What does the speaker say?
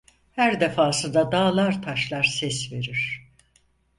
Her defasında dağlar taşlar ses verir: